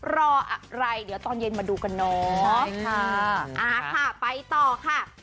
รออะไรเดี๋ยวตอนเย็นมาดูกันเนาะใช่ค่ะอ่าค่ะไปต่อค่ะ